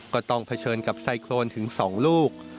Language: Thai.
ต้องเผชิญกับไซโครนถึง๒ลูก